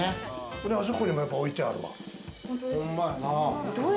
あそこにも置いてあるわ。